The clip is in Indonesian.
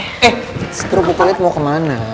eh seteru buku liat mau kemana